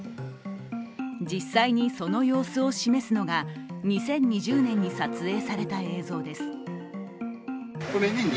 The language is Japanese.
実際にその様子を示すのが２０２０年に撮影された映像です。